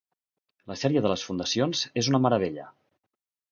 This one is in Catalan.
La sèrie de les Fundacions és una meravella.